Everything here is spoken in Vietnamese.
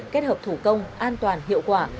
kết hợp thủ công an toàn hiệu quả